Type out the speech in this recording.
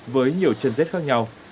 với nhiều chân rết khác nhau